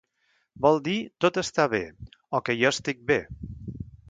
Vol dir tot està bé, o que jo estic bé.